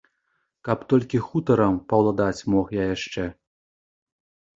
Каб толькі хутарам паўладаць мог я яшчэ.